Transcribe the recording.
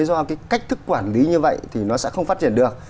do cái cách thức quản lý như vậy thì nó sẽ không phát triển được